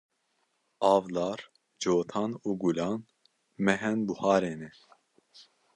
Avdar, Cotan û Gulan mehên buharê ne.